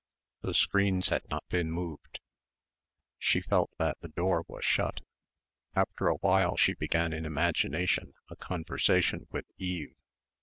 The screens had not been moved. She felt that the door was shut. After a while she began in imagination a conversation with Eve.